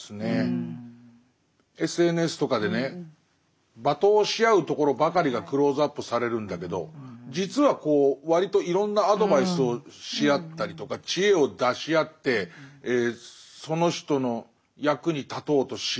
ＳＮＳとかでね罵倒し合うところばかりがクローズアップされるんだけど実は割といろんなアドバイスをし合ったりとか知恵を出し合ってその人の役に立とうとし合う瞬間も。